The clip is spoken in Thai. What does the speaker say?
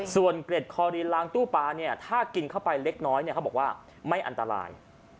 ส่วนเกร็ดคอรีนล้างตู้ปลาเนี่ยถ้ากินเข้าไปเล็กน้อยเขาบอกว่าไม่อันตราย